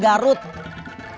ini asli buat anda kang